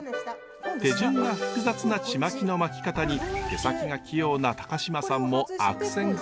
手順が複雑なちまきの巻き方に手先が器用な高島さんも悪戦苦闘。